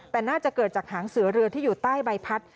แต่น่าจะเกิดจากหางเสือเรือที่อยู่ใต้ใบพัด